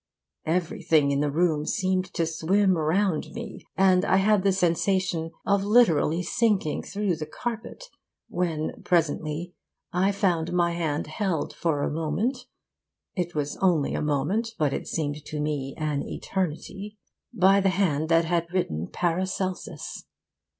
Everything in the room seemed to swim round me, and I had the sensation of literally sinking through the carpet when presently I found my hand held for a moment it was only a moment, but it seemed to me an eternity by the hand that had written "Paracelsus."